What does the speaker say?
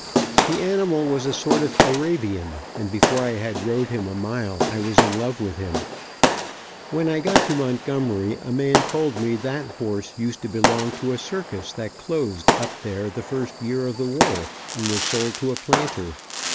The animal was a sort of Arabian, and before I had rode him a mile I was in love with him. then I got to Montgomery a man told me that horse used to belong to a circus that closed up there the first year of the war, and was sold to a planter.